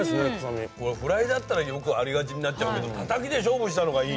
これフライだったらよくありがちになっちゃうけどタタキで勝負したのがいいね。